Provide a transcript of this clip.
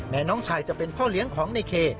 น้องชายจะเป็นพ่อเลี้ยงของในเค